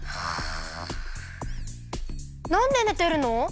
なんでねてるの？